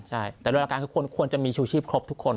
ใช่แต่โดยหลักการคือควรจะมีชูชีพครบทุกคน